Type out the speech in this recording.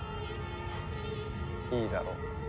フッいいだろう。